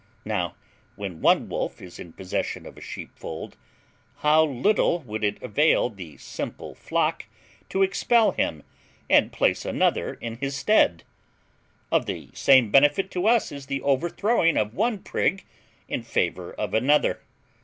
Now, when one wolf is in possession of a sheep fold, how little would it avail the simple flock to expel him and place another in his stead! Of the same benefit to us is the overthrowing one prig in favour of another.